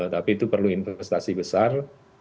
tapi itu perlu investasi besar